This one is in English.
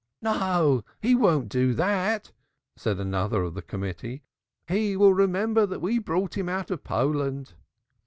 "No, he won't do that," said another of the Committee. "He will remember that we brought him out of Poland."